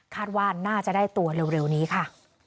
ว่าน่าจะได้ตัวเร็วนี้ค่ะ